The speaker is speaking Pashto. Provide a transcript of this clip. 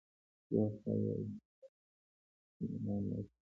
شاوخوا یې اوبو ډک چمنان واقع و.